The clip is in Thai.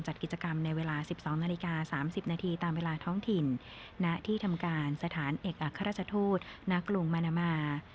จัดกิจกรรมในเวลา๑๒นาฬิกา๓๐นาทีตามเวลาท้องถิ่นที่ทำเนียบเอกอักษรรจทูตณกรุงเวียนา